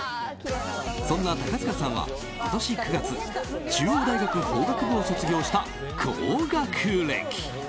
そんな高塚さんは、今年９月中央大学法学部を卒業した高学歴。